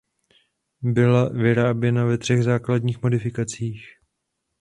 Byla vyráběna ve třech základních modifikacích.